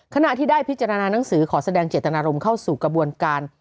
ขณะที่ได้พิจารณานังสือขอแสดงเจตนารมณ์เข้าสู่กระบวนการ